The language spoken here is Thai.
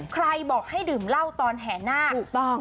ใครบอกให้ดื่มเหล้าตอนแห่นาคถูกต้อง